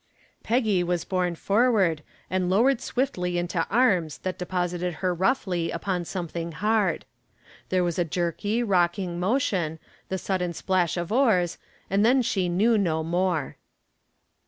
Peggy was borne forward and lowered swiftly into arms that deposited her roughly upon something hard. There was a jerky, rocking motion, the sudden splash of oars, and then she knew no more.